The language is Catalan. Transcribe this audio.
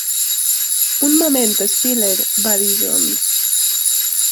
"Un moment, Spiller," va dir Jones.